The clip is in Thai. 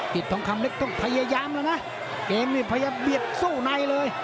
ทองคำเล็กต้องพยายามแล้วนะเกมนี่พยายามเบียดสู้ในเลย